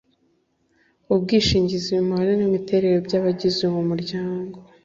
ubwishingizi Umubare nimiterere byabagize uwo muryango